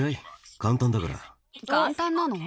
簡単なの？